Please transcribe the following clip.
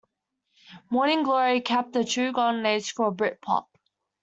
"Morning Glory" capped a true golden age for Britpop.